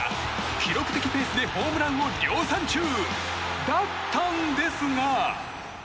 記録的ペースでホームランを量産中だったんですが。